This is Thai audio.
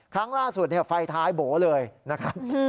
ครั้งล่าสุดไฟท้ายโบ๋เลยนะครับ